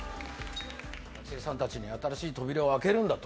学生さんたちに新しい扉を開けるんだと。